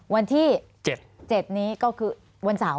วันที่๗นี้ก็คือวันเสาร์